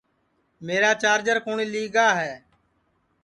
میرا چارجر کُوٹؔ لی گا ہے